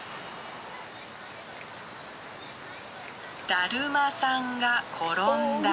・だるまさんが転んだ・あぁ